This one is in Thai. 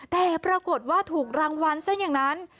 แต่ปรากฏว่าถูกรางวัลซะอย่างนั้น